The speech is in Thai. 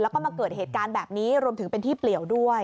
แล้วก็มาเกิดเหตุการณ์แบบนี้รวมถึงเป็นที่เปลี่ยวด้วย